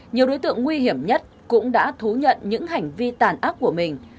nhiều đối tượng nguy hiểm nhất cũng đã thú nhận những hành vi tàn ác của mình